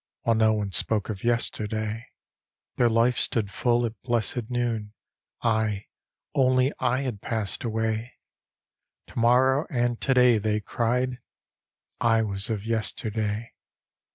While no one spoke of yesterday. Their life stood full at blessed noon ; I, only I had passed away: "To morrow and to day," they cried; I was of yesterday.